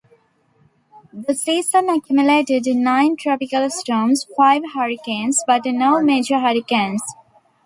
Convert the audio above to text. The season accumulated nine tropical storms, five hurricanes, but no major hurricanes.